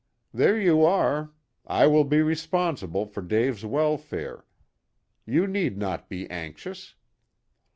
There you are. I will be responsible for Dave's welfare. You need not be anxious."